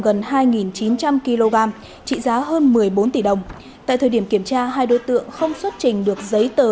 gần hai chín trăm linh kg trị giá hơn một mươi bốn tỷ đồng tại thời điểm kiểm tra hai đối tượng không xuất trình được giấy tờ